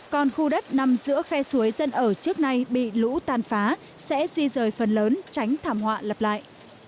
còn khu đất nằm giữa khe suối dân ở trước này bị lũ tàn phá sẽ di rời phần lớn tránh thảm họa lập lại